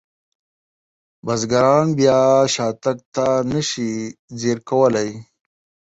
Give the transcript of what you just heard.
بزګران بیا شاتګ ته نشي ځیر کولی.